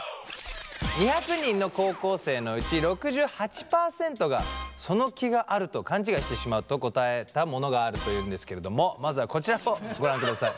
２００人の高校生のうち６８％がその気があると勘違いしてしまうと答えたものがあるというんですけれどもまずはこちらをご覧ください。